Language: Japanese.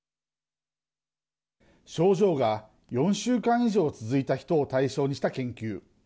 症状が４週間以上続いた人を対象にした研究。